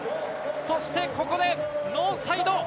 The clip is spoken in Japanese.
そして、ここでノーサイド！